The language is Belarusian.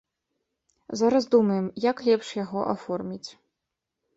Зараз думаем, як лепш яго аформіць.